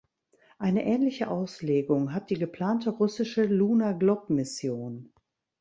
Eine ähnliche Auslegung hat die geplante russische Luna-Glob-Mission.